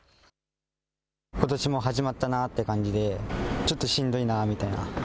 ことしも始まったなって感じでちょっと、しんどいなみたいな。